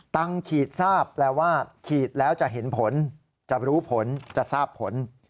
ขีดทราบแปลว่าขีดแล้วจะเห็นผลจะรู้ผลจะทราบผล